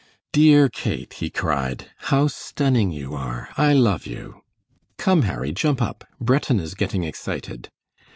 "DEAR Kate," he cried, "how stunning you are! I love you!" "Come, Harry, jump up! Breton is getting excited."